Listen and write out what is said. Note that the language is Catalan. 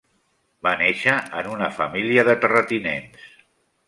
Va néixer en una família de terratinents.